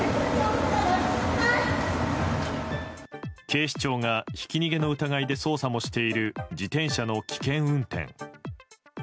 警視庁がひき逃げの疑いで捜査もしている自転車の危険運転。